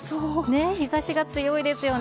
ねぇ、日ざしが強いですよね。